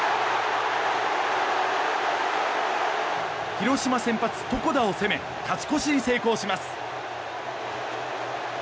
広島先発、床田を攻め勝ち越しに成功します。